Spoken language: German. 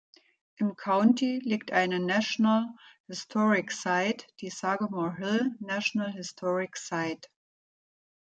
Im County liegt eine National Historic Site, die Sagamore Hill National Historic Site.